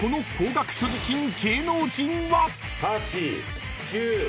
８９。